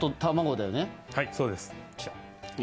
はいそうです。よし！